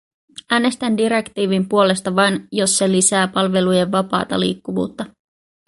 Äänestän direktiivin puolesta vain, jos se lisää palvelujen vapaata liikkuvuutta.